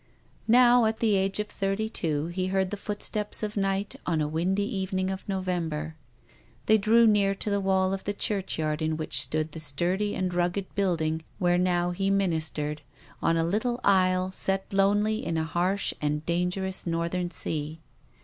Now, at the age of thirty two, he heard the foot steps of night on a windy evening of November, They drew near to the wall of the churchyard in which stood the sturdy and rugged building where now he ministered, on a little isle set lonely in a harsh and dangerous northern sea.